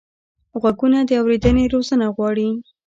غوږونه د اورېدنې روزنه غواړي